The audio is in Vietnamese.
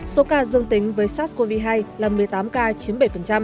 số ca dương tính với sars cov hai là một mươi tám ca chiếm bảy